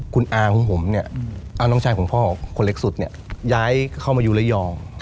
คุณอาของผมเนี่ยเอาน้องชายของพ่อคนเล็กสุดเนี่ยย้ายเข้ามาอยู่ระยอง